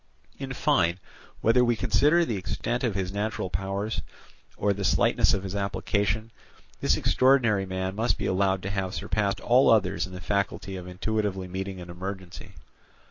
In fine, whether we consider the extent of his natural powers, or the slightness of his application, this extraordinary man must be allowed to have surpassed all others in the faculty of intuitively meeting an emergency.